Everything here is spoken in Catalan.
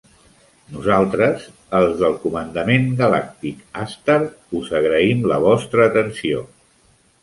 Nosaltres, els del Comandament Galàctic Ashtar, us agraïm la vostra atenció.